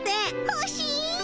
ほしい！